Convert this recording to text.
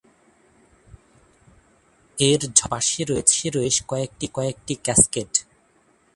এর ঝর্ণার পাশেই রয়েছে বেশ কয়েকটি ক্যাসকেড।